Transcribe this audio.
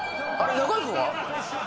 中居君は？